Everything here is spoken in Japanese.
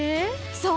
そう！